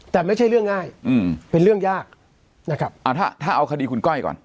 แต่ไม่ใช่เรื่องง่ายเป็นเรื่องยากนะครับเอาถ้าถ้าเอาคดีคุณก้อยก่อน